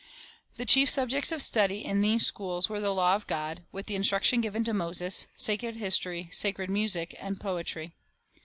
The chief subjects of study in these schools were the law of God, with the instruction given to Moses, sacred history, sacred music, and poetry.